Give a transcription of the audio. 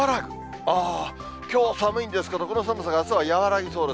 ああ、きょうは寒いんですけど、この寒さがあすは和らぎそうです。